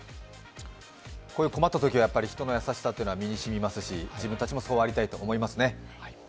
こういう困ったときは人の優しさは身に染みますし自分たちもそうありたいと思いますね。